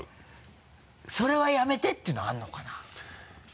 それはやめて！っていうのあるのかな？